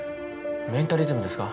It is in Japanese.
メンタリズムですか？